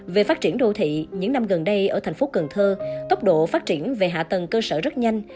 về phát triển đô thị những năm gần đây ở thành phố cần thơ tốc độ phát triển về hạ tầng cơ sở rất nhanh